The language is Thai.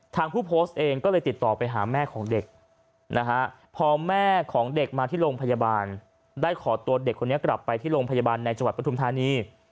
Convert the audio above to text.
ผู้โพสต์เองก็เลยติดต่อไปหาแม่ของเด็กนะฮะพอแม่ของเด็กมาที่โรงพยาบาลได้ขอตัวเด็กคนนี้กลับไปที่โรงพยาบาลในจังหวัดปทุมธานี